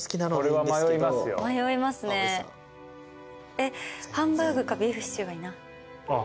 えっハンバーグかビーフシチューがいいな。